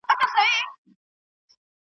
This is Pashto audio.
پر ملا به کړوپه بوډۍ زړه یې .